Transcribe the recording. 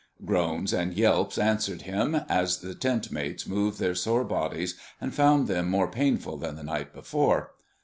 Groans and yelps answered him, as the tent mates moved their sore bodies and found them more painful than the night before.